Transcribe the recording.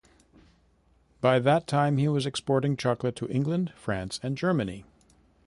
By that time he was exporting chocolate to England, France, and Germany.